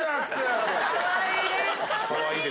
かわいい！